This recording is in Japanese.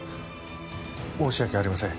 申し訳ありません。